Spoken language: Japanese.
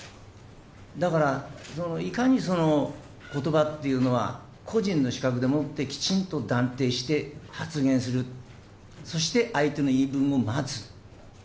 だから、いかにそのことばっていうのは、個人の資格でもってきちんと断定して発言する、そして相手の言い分を待つ。